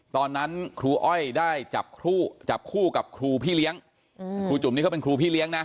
ตอนนั้นครูอ้อยได้จับคู่จับคู่กับครูพี่เลี้ยงครูจุ๋มนี่เขาเป็นครูพี่เลี้ยงนะ